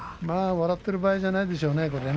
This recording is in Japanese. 笑っている場合じゃないでしょうね。